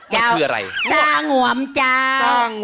เจ้าซ่างวมจ้า